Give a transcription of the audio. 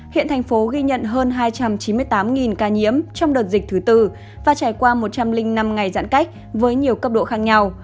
hiện thành phố ghi nhận hơn hai trăm chín mươi tám ca nhiễm trong đợt dịch thứ tư và trải qua một trăm linh năm ngày giãn cách với nhiều cấp độ khác nhau